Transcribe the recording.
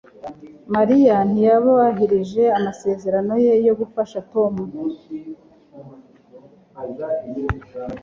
Mariya ntiyubahirije amasezerano ye yo gufasha Tom.